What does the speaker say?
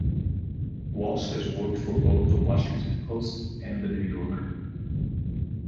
Walsh has worked for both "The Washington Post" and "The New Yorker".